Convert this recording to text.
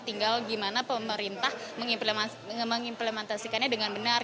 tinggal gimana pemerintah mengimplementasikannya dengan benar